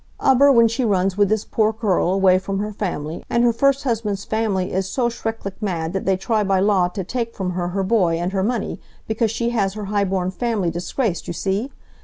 Aber when she runs with this poor kerl away from her family, and her first husband's family is so schrecklich mad that they try by law to take from her her boy and her money, because she has her highborn family disgraced, you see?